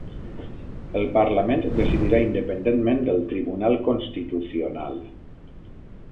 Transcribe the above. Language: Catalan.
El parlament decidirà independentment del Tribunal Constitucional